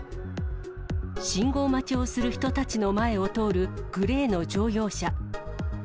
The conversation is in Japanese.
信号待ちをする人たちの前を通るグレーの乗用車。